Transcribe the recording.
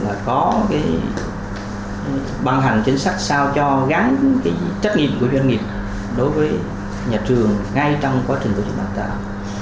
và có cái ban hành chính sách sao cho gắn cái trách nhiệm của doanh nghiệp đối với nhà trường ngay trong quá trình tổ chức đào tạo